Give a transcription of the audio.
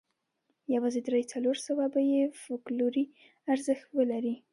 یوازې درې څلور سوه به یې فوکلوري ارزښت ولري.